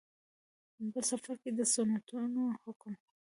په. سفر کې د سنتو حکم